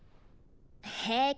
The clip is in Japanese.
平気。